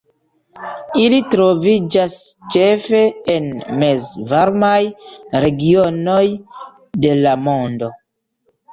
Ili troviĝas ĉefe en mezvarmaj regionoj de la mondo.